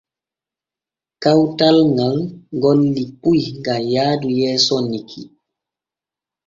Kawtal ŋal golli puy gam yaadu yeeso nikki.